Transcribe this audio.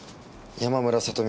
山村聡美